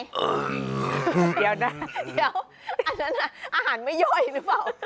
เดี๋ยวอันนั้นอ่ะอาหารไม่ย่อยหรือเปล่า